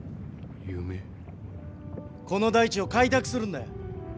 この大地を開拓するんだよ。